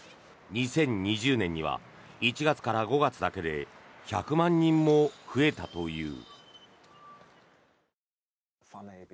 ２０２０年には１月から５月だけで１００万人も増えたという。